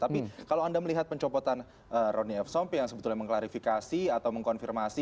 tapi kalau anda melihat pencopotan rony f sompi yang sebetulnya mengklarifikasi atau mengkonfirmasi